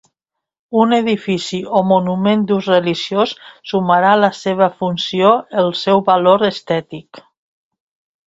Un edifici o monument d'ús religiós sumarà a la seva funció el seu valor estètic.